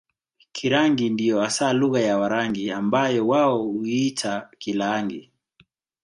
Kirangi ndiyo hasa lugha ya Warangi ambayo wao huiita Kilaangi